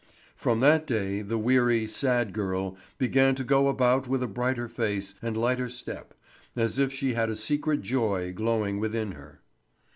From that day the weary, sad girl began to go about with a brighter face and lighter step, as if she had a secret joy glowing within her.